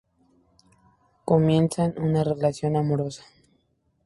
Comienzan una relación amorosa.